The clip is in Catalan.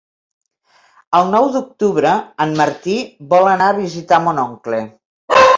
El nou d'octubre en Martí vol anar a visitar mon oncle.